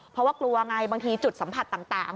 เพราะว่ากลัวไงบางทีจุดสัมผัสต่าง